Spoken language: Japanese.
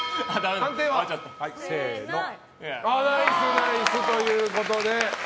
判定はナイス、ナイスということで。